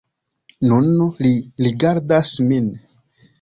Nun li rigardas min!